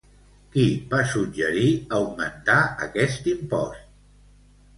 Qui va suggerir augmentar aquest impost?